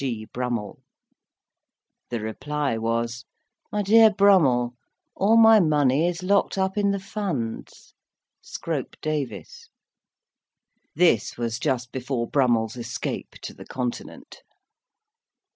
"G. BRUMMELL." The reply was: "My DEAR BRUMMELL, All my money is locked up in the funds. "SCROPE DAVIS." This was just before Brummell's escape to the Continent.